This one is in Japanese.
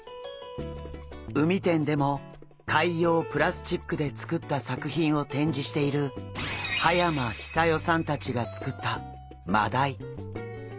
海展でも海洋プラスチックで作った作品を展示している葉山久世さんたちが作ったマダイ。